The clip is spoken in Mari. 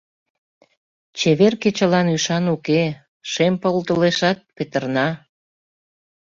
Чевер кечылан ӱшан уке, Шем пыл толешат — петырна.